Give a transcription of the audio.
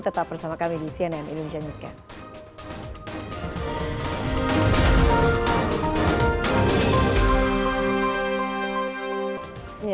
tetap bersama kami di cnn indonesia newscast